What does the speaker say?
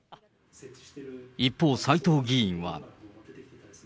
一方、斎藤議員は。